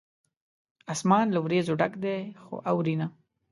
اسمان له وریځو ډک دی ، خو اوري نه